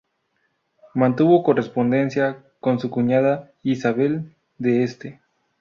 Mantuvo correspondencia con su cuñada, Isabel de Este.